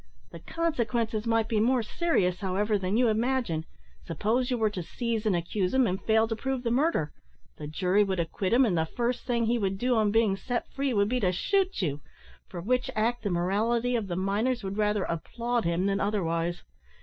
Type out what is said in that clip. "The consequences might be more serious, however, than you imagine. Suppose you were to seize and accuse him, and fail to prove the murder, the jury would acquit him, and the first thing he would do, on being set free, would be to shoot you, for which act the morality of the miners would rather applaud him than otherwise.